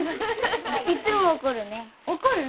いつも怒るね怒る？